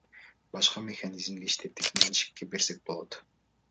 Башка механизмди иштетип, менчикке берсек болот.